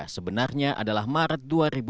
sebenarnya adalah maret dua ribu dua puluh